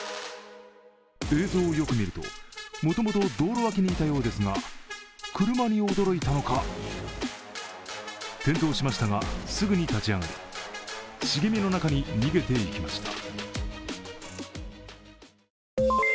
映像をよく見るともともと道路脇にいたようですが車に驚いたのか転倒しましたが、すぐに立ち上がり茂みの中に逃げていきました。